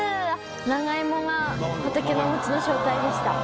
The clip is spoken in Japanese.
長芋が畑のもちの正体でした。